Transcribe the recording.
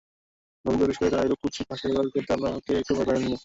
নবীকে উদ্দেশ করে তারা এরূপ কুৎসিৎ ভাষা ব্যবহার করতে আল্লাহকে একটুও ভয় পায়নি।